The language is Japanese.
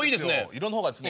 色の方がですね